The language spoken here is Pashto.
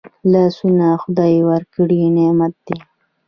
لاسونه خدای ورکړي نعمت دی